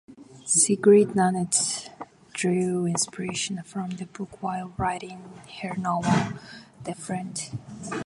Sigrid Nunez drew inspiration from the book while writing her novel "The Friend".